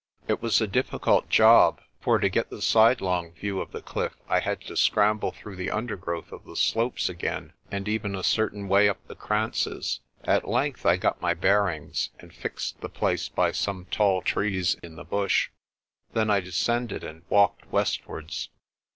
It was a difficult job, for to get the sidelong view of the cliff I had to scramble through the undergrowth of the slopes again, and even a certain way up the kranzes. At length I got my bearings, and fixed the place by some tall trees in the bush. Then I descended and walked west wards.